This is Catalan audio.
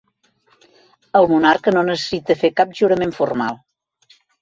El monarca no necessita fer cap jurament formal.